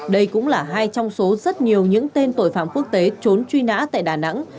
đây cũng là hai trong số rất nhiều những tên tội phạm quốc tế trốn truy nã tại đà nẵng